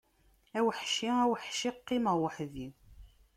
A weḥci, a weḥci, qqimeɣ weḥdi!